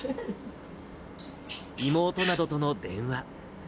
妹などとの電話。